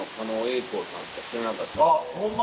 あっホンマ